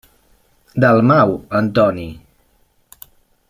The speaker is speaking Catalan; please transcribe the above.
Dalmau, Antoni.